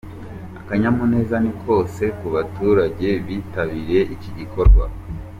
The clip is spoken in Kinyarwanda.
Akanyamuneza ni kose ku baturage bitabiriye iki gikorwa….